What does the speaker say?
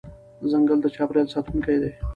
ځنګل د چاپېریال ساتونکی دی.